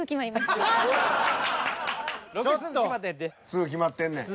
すぐ決まってんねん。